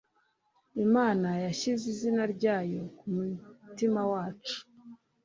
imana yashyize izina ryayo ku mutima wacu